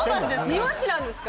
庭師なんですか？